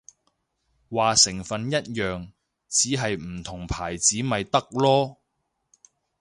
話成分一樣，只係唔同牌子咪得囉